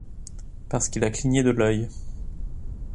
Parce qu’il a cligné de l’œil.